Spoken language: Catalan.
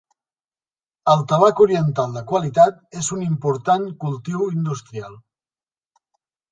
El tabac oriental de qualitat és un important cultiu industrial.